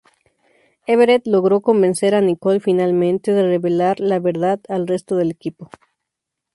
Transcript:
Everett logró convencer a Nicole finalmente de revelar la verdad al resto del equipo.